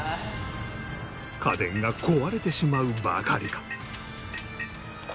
家電が壊れてしまうばかりか。